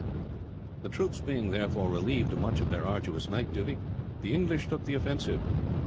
The troops being, therefore, relieved of much of their arduous night duty, the English took the offensive.